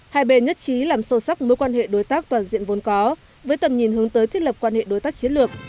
hai bên nhất trí làm sâu sắc mối quan hệ đối tác toàn diện vốn có với tầm nhìn hướng tới thiết lập quan hệ đối tác chiến lược